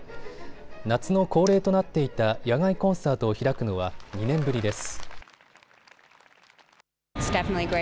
夏の恒例となっていた野外コンサートを開くのは２年ぶりです。